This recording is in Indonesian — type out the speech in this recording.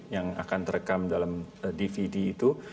yang akan terekam dalam dvd itu